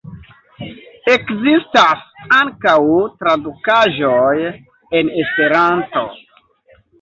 Ekzistas ankaŭ tradukaĵoj en Esperanto.